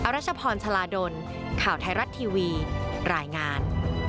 รัชพรชาลาดลข่าวไทยรัฐทีวีรายงาน